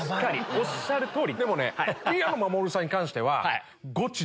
おっしゃる通り！